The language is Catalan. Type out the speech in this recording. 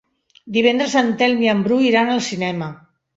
Divendres en Telm i en Bru iran al cinema.